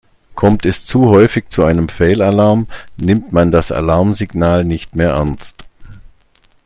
Kommt es zu häufig zu einem Fehlalarm, nimmt man das Alarmsignal nicht mehr ernst.